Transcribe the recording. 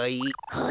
はい。